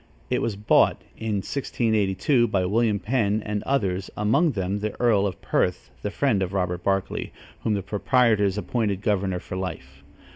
It was bought, in 1682, by William Penn and others, among them the earl of Perth, the friend of Robert Barclay, whom the proprietors appointed governor for life.